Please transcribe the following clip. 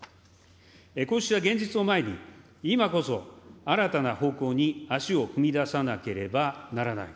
こうした現実を前に、今こそ新たな方向に足を踏み出さなければならない。